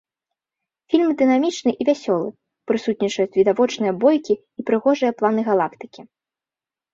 Фільм дынамічны і вясёлы, прысутнічаюць відовішчныя бойкі і прыгожыя планы галактыкі.